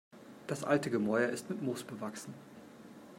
Das alte Gemäuer ist mit Moos bewachsen.